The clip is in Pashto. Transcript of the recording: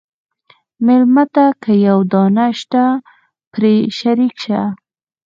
مېلمه ته که یوه دانه شته، پرې شریک شه.